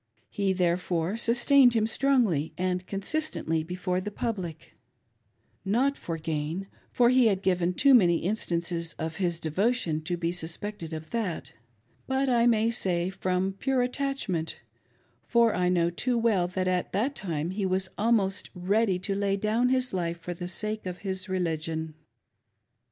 He therefore sustained him strongly and consistently before the ipublic ; not for gain, for he had given too many instances of' his devotion to be suspected of that ; but I may say from pure attachment, for I know too well that at that time he was almost ready to lay down his life for the sake of his religion.